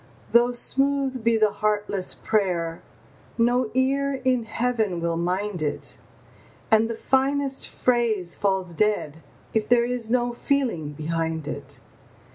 Though smooth be the heartless prayer, no ear in Heaven will mind it, And the finest phrase falls dead if there is no feeling behind it.